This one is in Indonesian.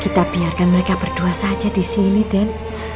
kita biarkan mereka berdua saja di sini dan